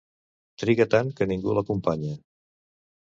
Triga tant que ningú no l'acompanya.